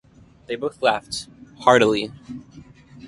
They both laughed heartily.